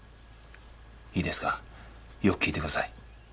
いいですかよく聞いてください。